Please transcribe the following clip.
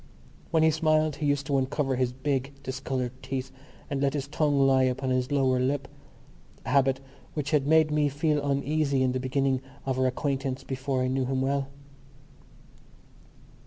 When he smiled he used to uncover his big discoloured teeth and let his tongue lie upon his lower lip—a habit which had made me feel uneasy in the beginning of our acquaintance before I knew him well.